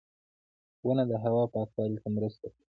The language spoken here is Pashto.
• ونه د هوا پاکوالي ته مرسته کوي.